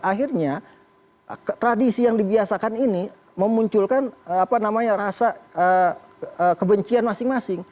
akhirnya tradisi yang dibiasakan ini memunculkan rasa kebencian masing masing